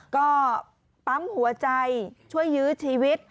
ก็ปั๊มหัวใจช่วยยื้อชีวิต